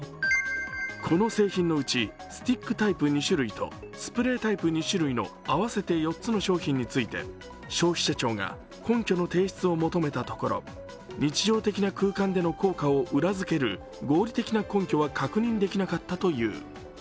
この製品のうち、スティックタイプ２種類とスプレータイプ２種類の合わせて４つ商品について消費者庁が根拠の提出を求めたところ日常的な空間での効果を裏づける合理的な根拠は確認できなかったという。